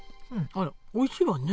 あらおいしいわね。